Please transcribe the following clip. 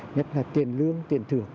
nhất là tiền lương tiền thưởng